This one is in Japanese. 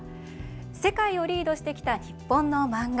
世界をリードしてきた日本のマンガ。